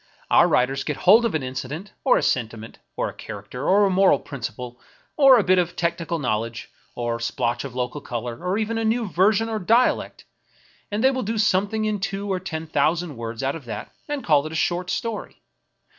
Our writers get hold of an incident, or a sentiment, or a character, or a moral principle, or a bit of technical knowledge, or a splotch of local color, or even of a new version of dialect, and they will do something in two to ten thousand words out of that and call it a short story.